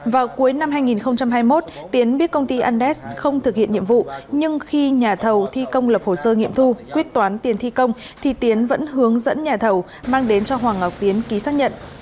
vào cuối năm hai nghìn hai mươi một tiến biết công ty andes không thực hiện nhiệm vụ nhưng khi nhà thầu thi công lập hồ sơ nghiệm thu quyết toán tiền thi công thì tiến vẫn hướng dẫn nhà thầu mang đến cho hoàng ngọc tiến ký xác nhận